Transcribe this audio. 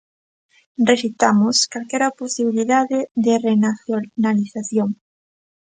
Rexeitamos calquera posibilidade de renacionalización.